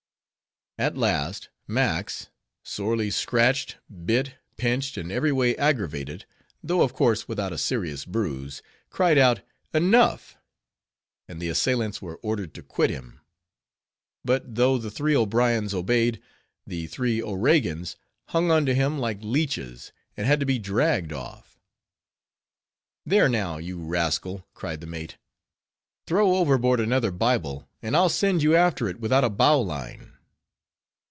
At last Max, sorely scratched, bit, pinched, and every way aggravated, though of course without a serious bruise, cried out "enough!" and the assailants were ordered to quit him; but though the three O'Briens obeyed, the three O'Regans hung on to him like leeches, and had to be dragged off. "There now, you rascal," cried the mate, "throw overboard another Bible, and I'll send you after it without a bowline."